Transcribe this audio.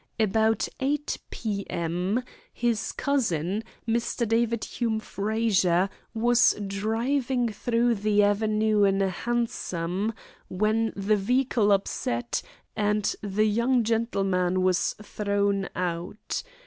About 8 p.m. his cousin, Mr. David Hume Frazer, was driving through the Avenue in a hansom, when the vehicle upset, and the young gentleman was thrown out.